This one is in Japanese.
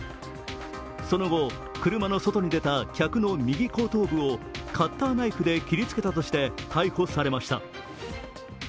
その後、車の外に出た客の右後頭部をカッターナイフで切りつけたとして逮捕されました。